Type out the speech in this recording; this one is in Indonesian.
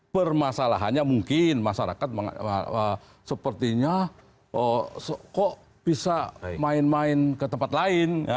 permasalahannya mungkin masyarakat sepertinya kok bisa main main ke tempat lain